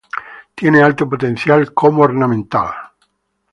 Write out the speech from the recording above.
Tiene alto potencial como ornamental.